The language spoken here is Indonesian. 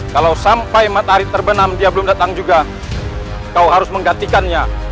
kalau sampai matahari terbenam dia belum datang juga kau harus menggantikannya